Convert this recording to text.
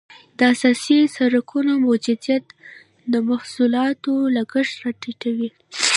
د اساسي سرکونو موجودیت د محصولاتو لګښت را ټیټوي